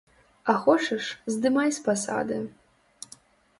А хочаш, здымай з пасады.